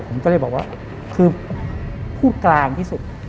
ผมก็เลยบอกว่าคือพูดกลางที่สุด